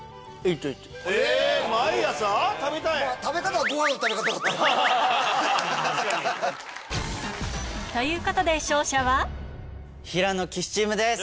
毎朝食べたい⁉ということで平野・岸チームです。